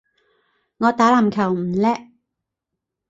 我打籃球唔叻